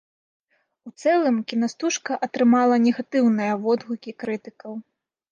У цэлым кінастужка атрымала негатыўныя водгукі крытыкаў.